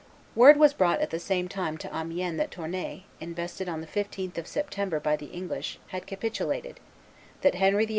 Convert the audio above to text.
xiv. pp. 476 492.] Word was brought at the same time to Amiens that Tournai, invested on the 15th of September by the English, had capitulated, that Henry VIII.